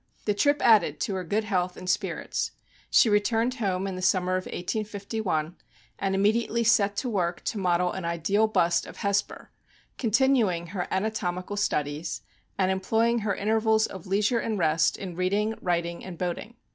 The trip added to her good health and spirits. She re turned home in tho summer of 1851, and immediately set to work to model an ideal bust of Hesper, continuing her anatomical studies, and employing her intervals of leisure and rest in reading, writing, and boating.